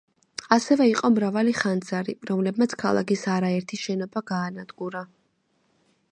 ასევე იყო მრავალი ხანძარი, რომლებმაც ქალაქის არაერთი შენობა გაანადგურა.